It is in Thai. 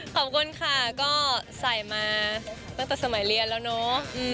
ขอบคุณค่ะก็ใส่มาตั้งแต่สมัยเรียนแล้วเนอะ